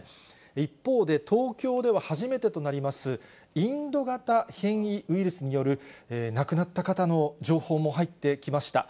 一方で、東京では初めてとなります、インド型変異ウイルスによる亡くなった方の情報も入ってきました。